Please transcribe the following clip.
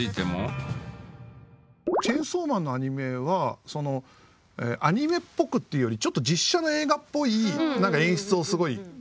「チェンソーマン」のアニメはアニメっぽくっていうよりちょっと実写の映画っぽい何か演出をすごいしてるんですよね。